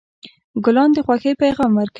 ګلان د خوښۍ پیغام ورکوي.